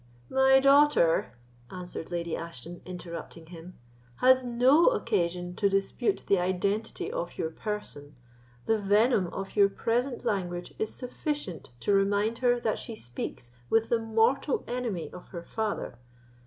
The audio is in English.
"My daughter," answered Lady Ashton, interrupting him, "has no occasion to dispute the identity of your person; the venom of your present language is sufficient to remind her that she speaks with the mortal enemy of her father."